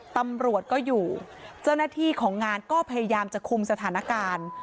ตำรวจก็อยู่เจ้าหน้าที่ของงานก็พยายามจะคุมสถานการณ์